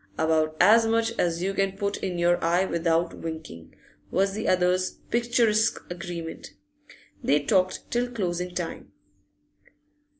'About as much as you can put in your eye without winkin',' was the other's picturesque agreement. They talked till closing time.